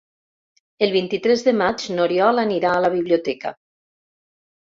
El vint-i-tres de maig n'Oriol anirà a la biblioteca.